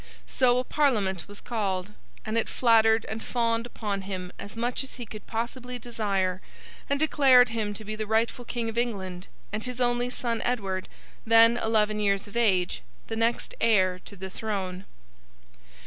So, a Parliament was called, and it flattered and fawned upon him as much as he could possibly desire, and declared him to be the rightful King of England, and his only son Edward, then eleven years of age, the next heir to the throne.